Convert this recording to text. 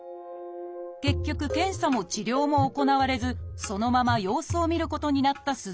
結局検査も治療も行われずそのまま様子を見ることになった鈴木さん。